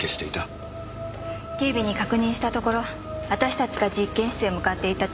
警備に確認したところ私たちが実験室へ向かっていた